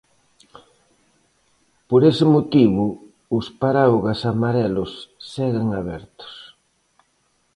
Por ese motivo, os paraugas amarelos seguen abertos.